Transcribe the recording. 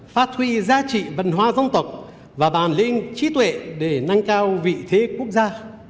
phát huy giá trị văn hóa dân tộc và bàn lĩnh trí tuệ để nâng cao vị thế quốc gia